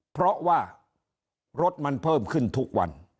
เพราะว่ารถมันเพิ่มขึ้นทุกวัน